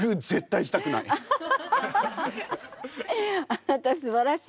あなたすばらしいわね。